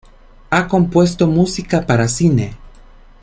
Ha compuesto música para cine.